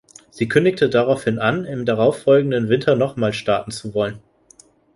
Sie kündigte daraufhin an, im darauf folgenden Winter nochmals starten zu wollen.